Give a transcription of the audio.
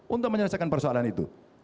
untuk menyelesaikan persoalan itu